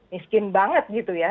miskin banget gitu ya